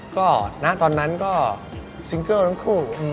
ก็ณตอนนั้นก็ซิงเกิลทั้งคู่